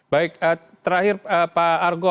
baik terakhir pak argo